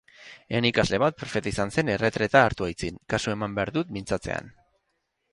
Ene ikasle bat prefeta izan zen erretreta hartu aitzin; kasu eman behar dut mintzatzean.